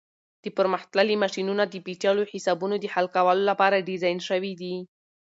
دا پرمختللي ماشینونه د پیچلو حسابونو د حل کولو لپاره ډیزاین شوي دي.